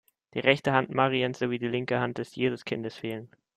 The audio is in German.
Die rechte Hand Mariens sowie die linke Hand des Jesuskindes fehlen.